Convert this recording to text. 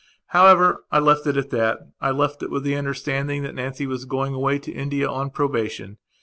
However, I left it at that. I left it with the understanding that Nancy was going away to India on probation.